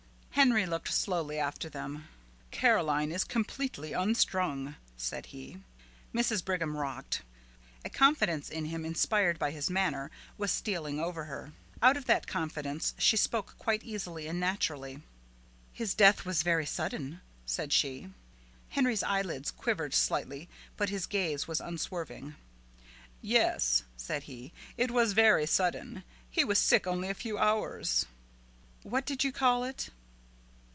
Henry looked slowly after them. "Caroline is completely unstrung," said he. Mrs. Brigham rocked. A confidence in him inspired by his manner was stealing over her. Out of that confidence she spoke quite easily and naturally. "His death was very sudden," said she. Henry's eyelids quivered slightly but his gaze was unswerving. "Yes," said he, "it was very sudden. He was sick only a few hours." "What did you call it?"